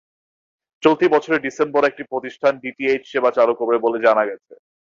চলতি বছরের ডিসেম্বরে একটি প্রতিষ্ঠান ডিটিএইচ সেবা চালু করবে বলে জানা গেছে।